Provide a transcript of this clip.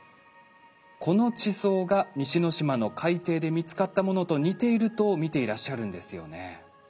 この地層が西之島の海底で見つかったものと似ていると見ていらっしゃるんですよね。